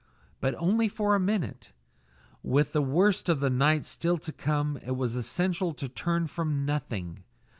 But only for a minute. With the worst of the night still to come it was essential to turn from nothing.